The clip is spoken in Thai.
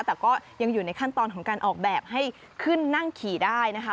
แต่ก็ยังอยู่ในขั้นตอนของการออกแบบให้ขึ้นนั่งขี่ได้นะคะ